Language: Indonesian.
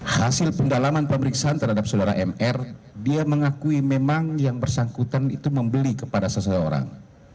hasil pendalaman pemeriksaan terhadap saudara mr dia mengakui memang yang bersangkutan itu membeli kepada seseorang